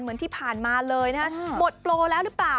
เหมือนที่ผ่านมาเลยนะฮะหมดโปรแล้วหรือเปล่า